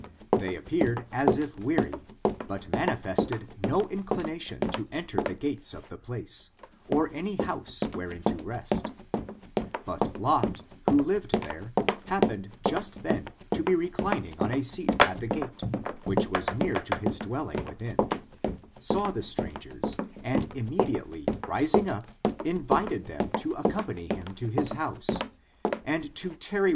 They appeared as if weary, but manifest ed no inclination to enter the gates of the place, or any house wherein to rest But Lot, who lived there, happening just then to be reclining on a seat at the gate, which was near to his dwelling within, saw the strangers, and immediately rising up, invited them to accompany him to his house, and to tarry ^k^V ^^^ ^^0^^ ^^^^^0^f^m ,^4^»^f^^v^^^^^^^^^^^^^^^l^t^^l^^^^l#^i^^^%^^^#^